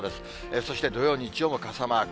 そして土曜、日曜も傘マーク。